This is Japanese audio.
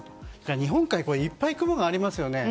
日本海にいっぱい雲がありますよね。